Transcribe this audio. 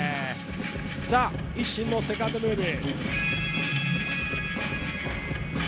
ＩＳＳＩＮのセカンドムーブ。